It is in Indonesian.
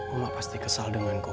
uma pasti kesal denganku